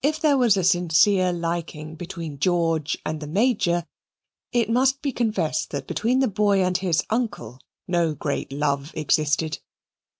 If there was a sincere liking between George and the Major, it must be confessed that between the boy and his uncle no great love existed.